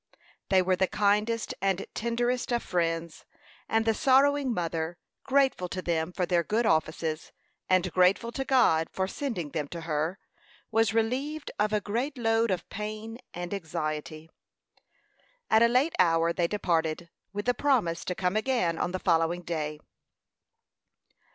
They were the kindest and tenderest of friends, and the sorrowing mother, grateful to them for their good offices, and grateful to God for sending them to her, was relieved of a great load of pain and anxiety. At a late hour they departed, with the promise to come again on the following day.